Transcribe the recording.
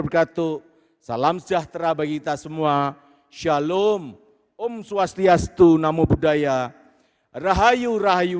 berkatu salam sejahtera bagi kita semua shalom om swastiastu namo buddhaya rahayu rahayu